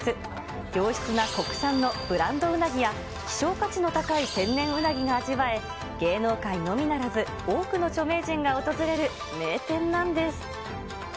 良質な国産のブランドうなぎや、希少価値の高い天然うなぎが味わえ、芸能界のみならず多くの著名人が訪れる名店なんです。